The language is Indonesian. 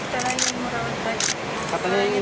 dia mengadopsi dengan membeli seorang bayi